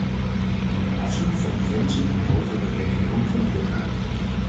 Wij moeten afzien van de grenzen in de hogere regionen van het luchtruim.